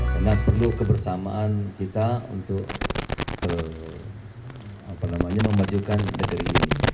karena perlu kebersamaan kita untuk memajukan negeri ini